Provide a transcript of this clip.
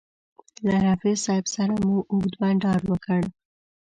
له رفیع صاحب سره مو اوږد بنډار وکړ.